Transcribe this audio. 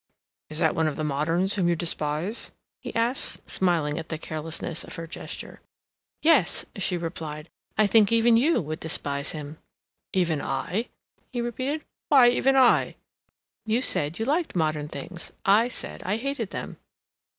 "Is that one of the moderns whom you despise?" he asked, smiling at the carelessness of her gesture. "Yes," she replied. "I think even you would despise him." "Even I?" he repeated. "Why even I?" "You said you liked modern things; I said I hated them."